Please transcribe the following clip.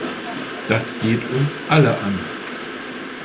Das geht uns alle an.